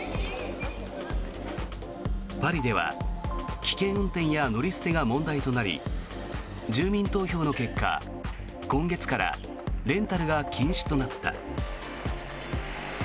パリでは危険運転や乗り捨てが問題となり住民投票の結果、今月からレンタルが禁止となった。